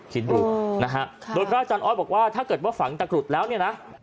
คิดดูนะฮะโดยพระอาจารย์ออสบอกว่าถ้าเกิดว่าฝังตะกรุดแล้วเนี่ยนะ